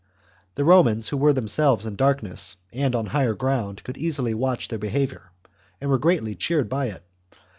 The Romans, who were themselves in darkness and on higher ground, could easily watch their behaviour, and were greatly cheered by it.